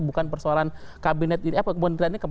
bukan persoalan kabinet eh kementerian ini